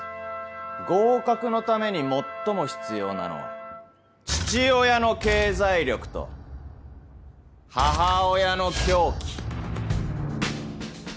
合格のために最も必要なのは父親の経済力と母親の狂気。